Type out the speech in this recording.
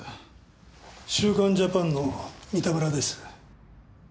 『週刊ジャパン』の三田村です。